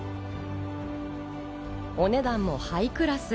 お値段もハイクラス。